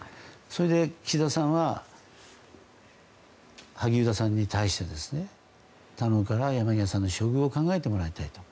それで岸田さんは萩生田さんに対して頼むから山際さんの処遇を考えてもらいたいと。